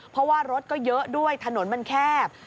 เพราะว่ารถก็เยอะด้วยถนนมันแคบ